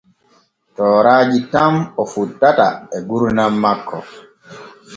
Tooraaji tan o fottata e gurdam makko.